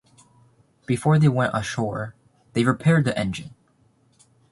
Before they went ashore, they repaired the engine.